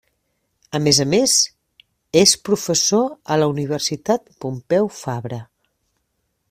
A més a més, és professor a la Universitat Pompeu Fabra.